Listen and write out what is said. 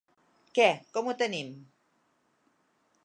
Què, com ho tenim?